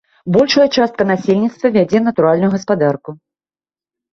Большая частка насельніцтва вядзе натуральную гаспадарку.